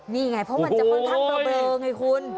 นี่ไงเพราะมันจะค่อนข้างเบลอไงคุณ